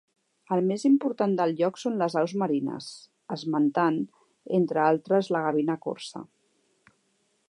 El més important del lloc són les aus marines, esmentant, entre altres la gavina corsa.